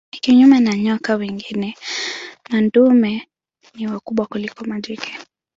Kinyume na nyoka wengine madume ni wakubwa kuliko majike.